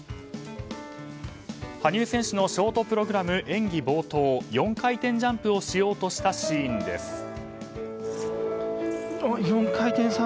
羽生選手のショートプログラム演技冒頭４回転ジャンプをしようとしたシーンです。